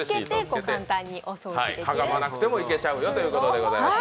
かがまなくてもいけちゃうよということです。